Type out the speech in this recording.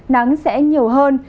nắng sẽ nhiều hơn